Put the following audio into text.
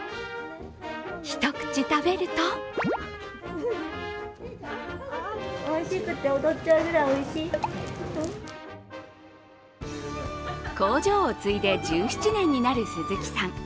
一口食べると工場を継いで１７年になる鈴木さん。